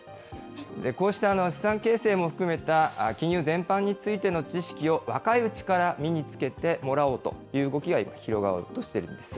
こうした資産形成も含めた、金融全般についての知識を若いうちから身につけてもらおうという動きが今、広がろうとしてるんです。